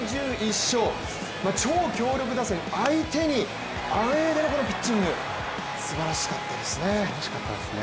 超強力打線相手にあえてこのピッチング、すばらしかったですね。